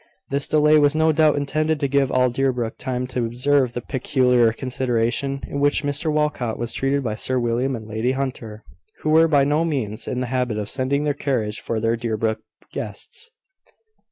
This delay was no doubt intended to give all Deerbrook time to observe the peculiar consideration, with which Mr Walcot was treated by Sir William and Lady Hunter, who were by no means in the habit of sending their carriage for their Deerbrook guests.